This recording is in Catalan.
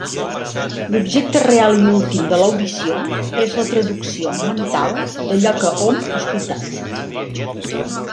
L'objecte real i últim de l'audició és la traducció mental d'allò que hom ha escoltat.